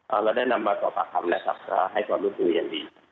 เราได้นำมาต่อปากคำนะครับให้ความรู้สึกอย่างดี